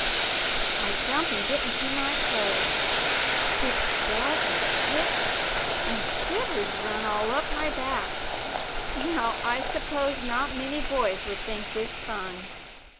I jump an' get into my clothes; It's dark as pitch, an' shivers run All up my back. Now, I suppose Not many boys would think this fun.